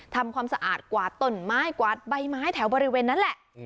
ทำความสะอาดกวาดต้นไม้กวาดใบไม้แถวบริเวณนั้นแหละ